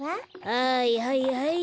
はいはいはい。